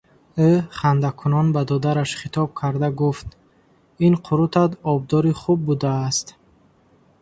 Ӯ хандакунон ба додараш хитоб карда гуфт: – Ин қурутат обдори хуб будааст.